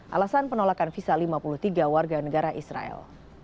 alasan penolakan visa lima puluh tiga warga negara israel